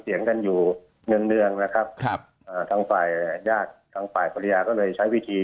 เสียงกันอยู่เดือนนะครับครับทั้งฝ่ายยาก็เลยใช้วิธี